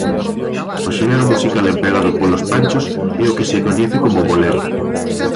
O xénero musical empregado polos Panchos é o que se coñece como bolero.